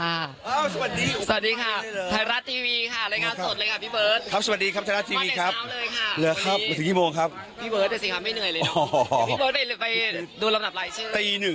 อ้าวสวัสดีสวัสดีค่ะไทรัสทีวีค่ะรายงานสดเลยค่ะพี่เบิร์ด